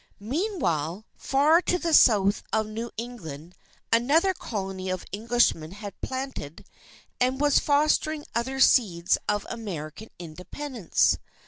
Meanwhile, far to the South of New England another Colony of Englishmen had planted and was fostering other seeds of American Independence.